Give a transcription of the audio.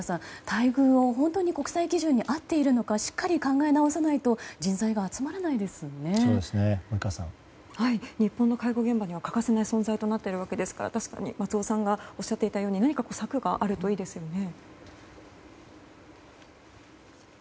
待遇は国際基準は本当に合っているのかしっかり考え直さないと、人材が日本の介護現場には欠かせない存在になっていますから確かに松尾さんがおっしゃっていたように何か策があればいいですよね。